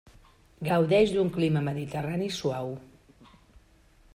Gaudeix d'un clima mediterrani suau.